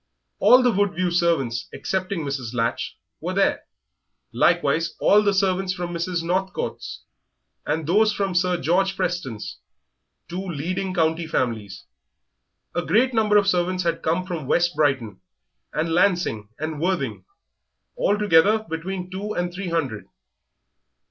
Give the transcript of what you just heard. All the Woodview servants, excepting Mrs. Latch, were there; likewise all the servants from Mr. Northcote's, and those from Sir George Preston's two leading county families. A great number of servants had come from West Brighton, and Lancing, and Worthing altogether between two and three hundred.